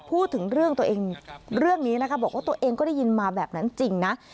พูดถึงเรื่องตัวเองเรื่องนี้นะคะบอกว่าตัวเองก็ได้ยินมาแบบนั้นจริงนะ